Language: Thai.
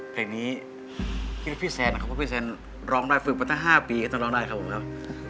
เพลงนี้พี่แซนนะครับเพราะพี่แซนร้องได้ฝึกมาตั้ง๕ปีก็ต้องร้องได้ครับผมครับ